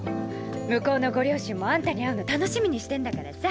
向こうのご両親もあんたに会うの楽しみにしてんだからさ。